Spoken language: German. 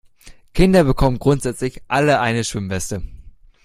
Kinder bekommen grundsätzlich alle eine Schwimmweste.